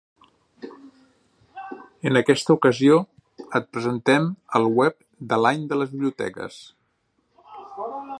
En aquesta ocasió et presentem el web de l'Any de les Biblioteques.